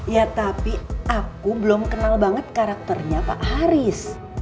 ya tapi aku belum kenal banget karakternya pak haris